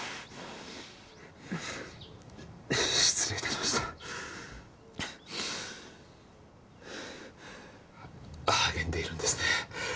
失礼いたしました励んでいるんですね